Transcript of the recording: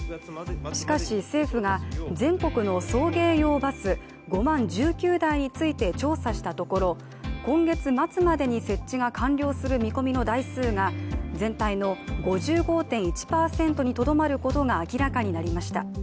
しかし、政府が全国の送迎用バス５万１９台について調査したところ今月末までに設置が完了する見込みの台数が全体の５５．１％にとどまることが明らかになりました。